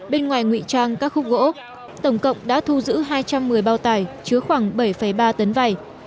bên ngoài ngụy trang các khúc gỗ tổng cộng đã thu giữ hai trăm một mươi bao tải chứa khoảng bảy ba tấn vải